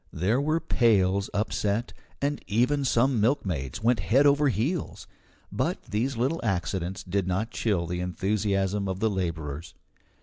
There were pails upset, and even some milkmaids went head over heels. But these little accidents did not chill the enthusiasm of the labourers.